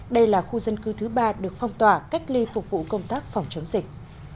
đây là khu dân cư thứ ba được phong tỏa cách ly phục vụ công tác phòng chống dịch